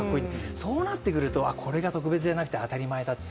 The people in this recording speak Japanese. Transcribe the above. そうなってくれるとこれが特別じゃなくて当たり前だなと。